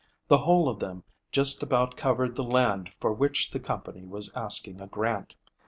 The whole of them just about covered the land for which the company was asking a grant.